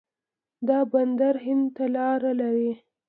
دا بندر هند ته لاره لري.